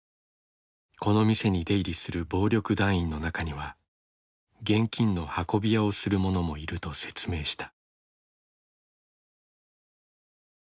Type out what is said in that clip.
この店に出入りする暴力団員の中には現金の運び屋をする者もいると説明した。